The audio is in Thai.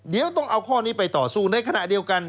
เดี๋ยวต้องเอาข้อนี้ไปต่อสู้ในขณะเดียวกัน